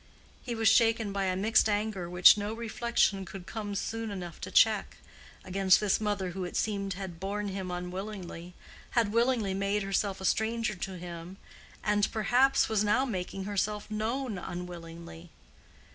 He was shaken by a mixed anger which no reflection could come soon enough to check, against this mother who it seemed had borne him unwillingly, had willingly made herself a stranger to him, and—perhaps—was now making herself known unwillingly.